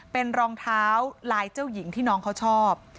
เป็นรองเท้าลายเจ้าหญิงที่น้องเขาชอบ